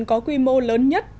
có quy mô lớn nhất